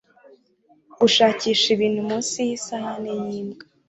gushakisha ibintu munsi yisahani yimbwa